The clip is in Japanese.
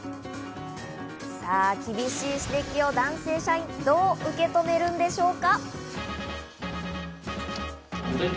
厳しい指摘を男性社員、どう受け止めるんでしょうか？